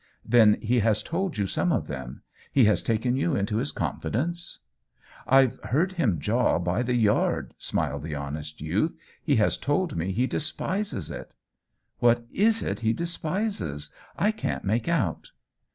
"Then he has told you some of them — he has taken you into his confidence ?" 156 OWEN WINGRAVE " IVe heard him jaw by the yard," smiled the honest youth. "He has told me he despises it." " What is it he despises ? I can't make out."